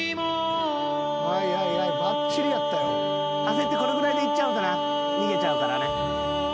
焦ってこれぐらいでいっちゃうと逃げちゃうからね。